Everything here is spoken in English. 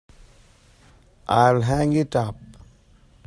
I'll hang it up.